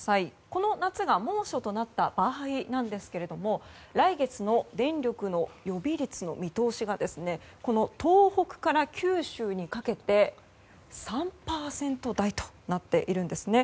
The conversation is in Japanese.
この夏が猛暑となった場合ですが来月の電力の予備率の見通しが東北から九州にかけて３％台となっているんですね。